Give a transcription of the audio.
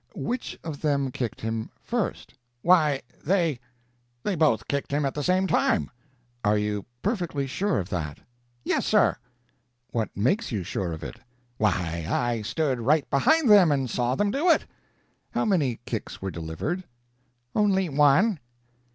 "Which of them kicked him first?" "Why they they both kicked him at the same time. "Are you perfectly sure of that?" "Yes, sir." "What makes you sure of it?" "Why, I stood right behind them, and saw them do it." "How many kicks were delivered?" "Only one."